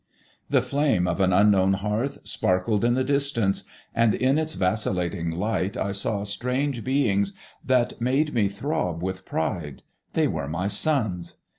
The flame of an unknown hearth sparkled in the distance, and in its vacillating light I saw strange beings that made me throb with pride; they were my sons.